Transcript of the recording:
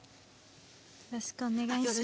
よろしくお願いします。